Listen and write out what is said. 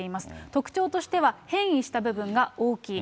特徴としては変異した部分が大きい。